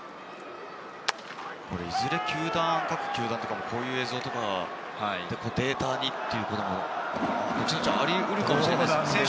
いずれ各球団、こういう映像をデータにということがありうるかもしれませんね。